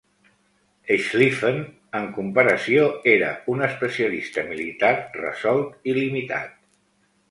Schlieffen, en comparació, era un especialista militar resolt i limitat.